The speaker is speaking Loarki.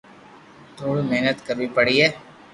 ٿوري مھنت ڪروي پڙئي